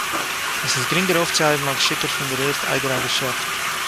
עס איז גרינגער אויפֿצוהייבן אַ שיכּור פֿון דער ערד איידער אַ געשעפֿט.